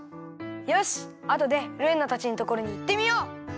よしあとでルーナたちのところにいってみよう！